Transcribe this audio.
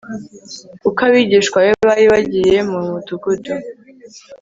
kuko abigishwa be bari bagiye mu mudugudu